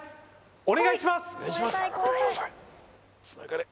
お願いします